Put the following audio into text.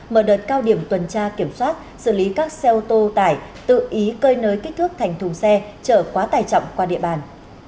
mở đợt cao điểm tuần tra kiểm soát xử lý các xe ô tô tải tự ý cơi nới kích thước thành thùng xe trở quá tải trọng qua địa bàn